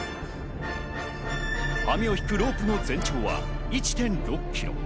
網を引くロープの全長は１．６ｋｍ。